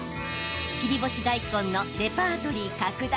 切り干し大根のレパートリー拡大